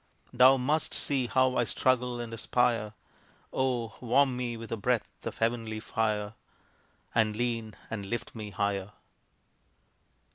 Thou must see how I struggle and aspire Oh, warm me with a breath of heavenly fire, And lean, and lift me higher.